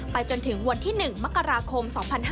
จนถึงวันที่๑มกราคม๒๕๕๙